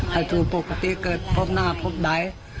ให้สู่ปกติเกิดพบหน้าพบใด